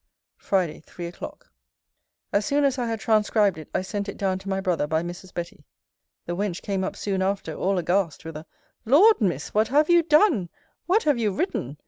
FRIDAY, THREE O'CLOCK As soon as I had transcribed it, I sent it down to my brother by Mrs. Betty. The wench came up soon after, all aghast, with a Laud, Miss! What have you done? What have you written?